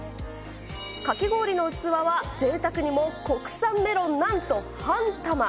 かき氷の器は、ぜいたくにも国産メロン、なんと半玉。